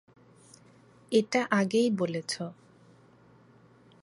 এটা আগেই বলেছো।